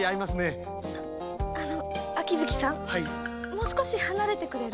もう少し離れてくれる？